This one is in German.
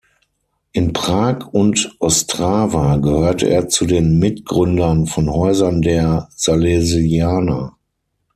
In Prag und Ostrava gehörte er zu den Mitgründern von Häusern der Salesianer.